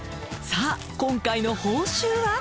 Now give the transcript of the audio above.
さあ今回の報酬は？